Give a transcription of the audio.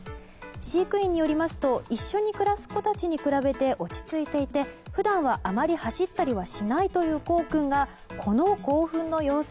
飼育員によりますと一緒に暮らす子たちに比べて落ち着いていて、普段はあまり走ったりしないというコウ君がこの興奮の様子。